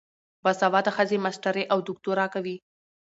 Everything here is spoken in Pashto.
باسواده ښځې ماسټري او دوکتورا کوي.